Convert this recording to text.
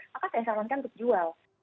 maka saya sarankan untuk jual